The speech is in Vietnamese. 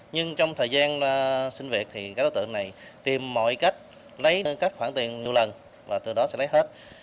nhưng trong thời gian sinh việc thì các đối tượng này tìm mọi cách lấy các khoản tiền nhiều lần và từ đó sẽ lấy hết